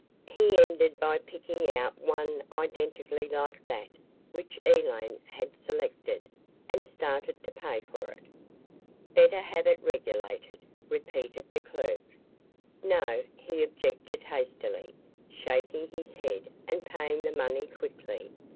He ended by picking out one identically like that which Elaine had selected, and started to pay for it. "Better have it regulated," repeated the clerk. "No," he objected hastily, shaking his head and paying the money quickly.